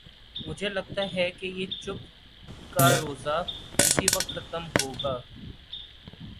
مجھے لگتا ہے کہ یہ چپ کا روزہ اسی وقت ختم ہو گا۔